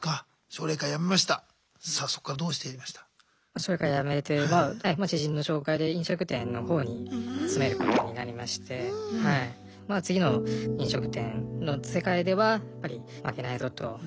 奨励会辞めて知人の紹介で飲食店の方に勤めることになりまして次の飲食店の世界ではやっぱり負けないぞと。